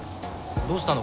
どうしたの？